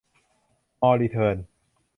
มอร์ รีเทิร์น